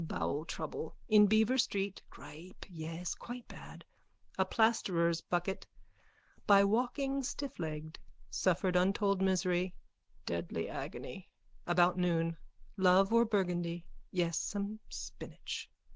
Bowel trouble. In Beaver street. Gripe, yes. Quite bad. A plasterer's bucket. By walking stifflegged. Suffered untold misery. Deadly agony. About noon. Love or burgundy. Yes, some spinach.